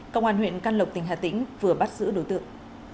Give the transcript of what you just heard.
công an huyện căn lộc tỉnh hà tĩnh vừa bắt giữ đối tượng